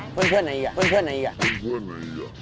เพื่อนไหนอีกอะเพื่อนไหนอีกอะ